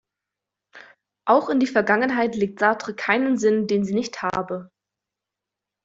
Auch in die Vergangenheit legt Sartre keinen Sinn, den sie nicht habe.